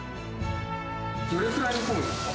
どれくらい煮込むんですか？